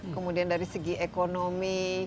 kemudian dari segi ekonomi